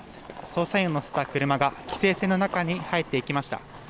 捜査員を乗せた車が規制線の中に入っていきました。